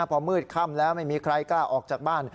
พอมืดค่ำแล้วไม่มีใครกล้าออกจากบ้าน